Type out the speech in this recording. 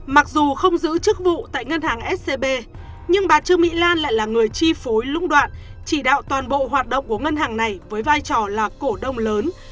mặc dù không giữ chức vụ tại ngân hàng scb nhưng bà trương mỹ lan lại là người chi phối lũng đoạn chỉ đạo toàn bộ hoạt động của ngân hàng này với vai trò là cổ đông lớn